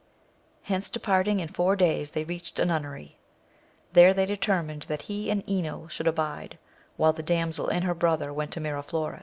Hence departing, in four days they reached a nunnery ; there they deter mined that he and Enil should abide, while the damsel and her brother went to Miraflores.